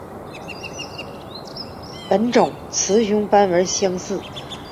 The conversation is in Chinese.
本种雌雄斑纹相似。